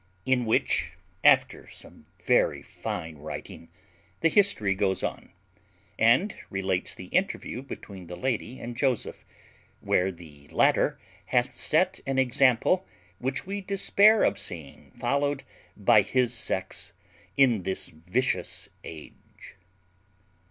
_In which, after some very fine writing, the history goes on, and relates the interview between the lady and Joseph; where the latter hath set an example which we despair of seeing followed by his sex in this vicious age.